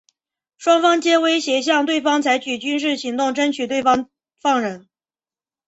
双方皆威胁向对方采取军事行动争取对方放人。